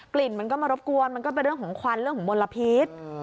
ลิ่นมันก็มารบกวนมันก็เป็นเรื่องของควันเรื่องของมลพิษ